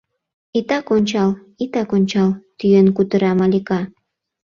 — Итак ончал, итак ончал! — тӱен кутыра Малика.